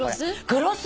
グロス？